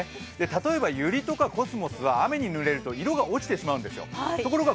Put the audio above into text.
例えば、ゆりとかコスモスは雨にぬれると、色が落ちてしまうんですところが